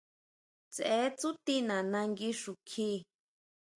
Tseʼe tsútina nangui xukjí.